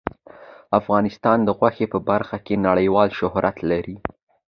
افغانستان د غوښې په برخه کې نړیوال شهرت لري.